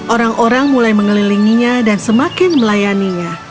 orang orang mulai mengelilinginya dan semakin melayaninya